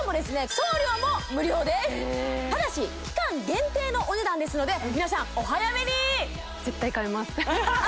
送料も無料ですただし期間限定のお値段ですので皆さんお早めに絶対買います